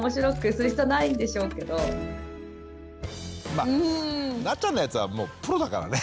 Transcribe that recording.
まっなっちゃんのやつはもうプロだからね。